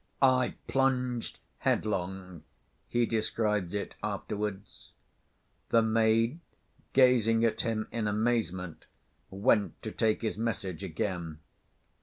"I plunged headlong," he described it afterwards. The maid, gazing at him in amazement, went to take his message again.